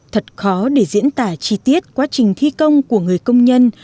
thật khó để diễn tả chi tiết quá trình thi công của người công nhân